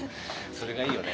それがいいよね。